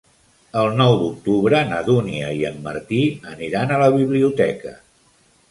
El nou d'octubre na Dúnia i en Martí aniran a la biblioteca.